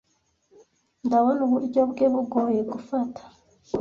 Ndabona uburyo bwe bugoye gufata.